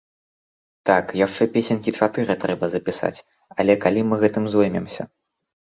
Так, яшчэ песенькі чатыры трэба запісаць, але калі мы гэтым зоймемся!?